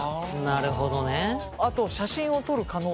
なるほどね。